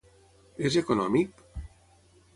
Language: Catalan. És econòmic?